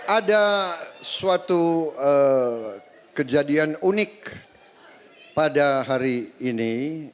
ada suatu kejadian unik pada hari ini